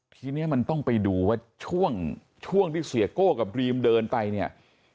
ทีนี้มันต้องไปดูว่าช่วงช่วงที่เสียโก้กับรีมเดินไปเนี่ย